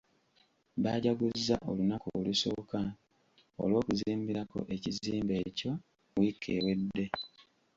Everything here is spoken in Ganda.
Baajaguzza olunaku olusooka olw'okuzimbirako ekizimbe ekyo wiiki ewedde.